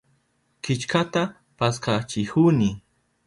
Killkata paskachihuni.